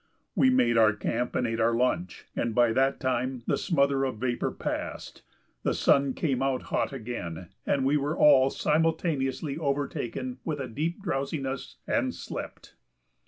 We made our camp and ate our lunch, and by that time the smother of vapor passed, the sun came out hot again, and we were all simultaneously overtaken with a deep drowsiness and slept.